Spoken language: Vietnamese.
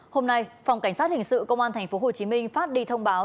hôm nay phòng cảnh sát hình sự công an tp hcm phát đi thông báo